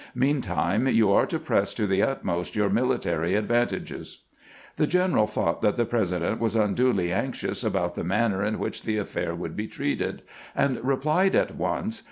Meantime you are to press to the utmost your military advantages." The general thought that the President was unduly anxious about the man ner in which the affair would be treated, and replied at once